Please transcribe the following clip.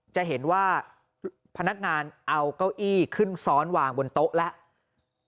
จะเห็นว่าพนักงานเอาเก้าอี้ขึ้นซ้อนวางบนโต๊ะแล้ว